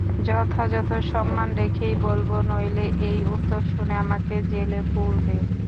যথাযথ সম্মান রেখেই বলব, নইলে এই উত্তর শুনে আমাকে জেলে পুরবে।